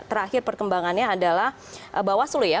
terakhir perkembangannya adalah bawaslu ya